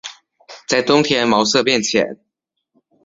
在冬天毛色变浅。